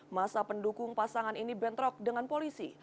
masa pendukung pasangan ini bentrok dengan polisi